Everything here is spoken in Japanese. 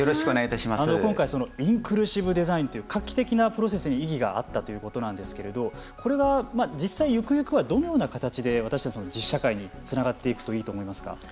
今回、インクルーシブデザインという画期的なプロセスに意義があったということなんですけれどもこれが実際、行く行くはどのような形で私たちの実社会につながっていくといいと思いますか。